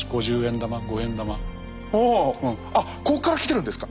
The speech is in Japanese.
あっここからきてるんですか？